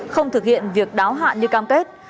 không thực hiện việc đáo hạn như cam kết